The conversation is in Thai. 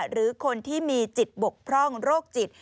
หรือคนที่มีจิตบกพร่องโรคจิต